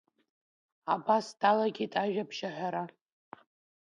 Абас далагеит ажәабжь аҳәара.